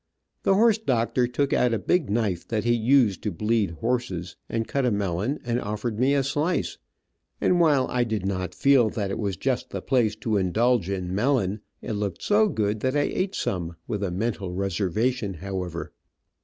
The horse doctor took out a big knife that he used to bleed horses, and cut a melon, and offered me a slice, and while I did not feel that it was just the place to indulge in melon, it looked so good that I ate some, with a mental reservation, however.